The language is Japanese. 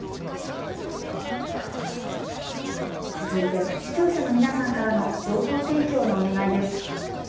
続いて、視聴者の皆さんからの情報提供のお願いです。